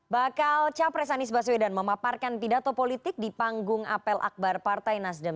bakal capres anies baswedan memaparkan pidato politik di panggung apel akbar partai nasdem